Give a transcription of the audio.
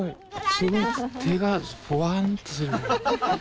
すごい手がホワンとするね。